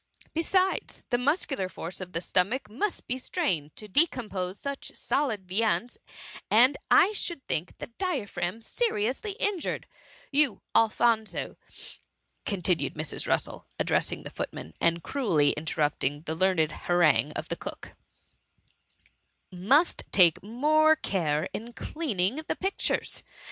Besides, the muscular force of the stomach must be strained to decompose such solid viands, and I should think the dia phragm seriously injured—* " You, Alphonso,^ continued Mrs. Russel, addressing the footman, and cruelly interrupt ing the learned harangue of the cook, '^ must take more care in cleaning the pictures.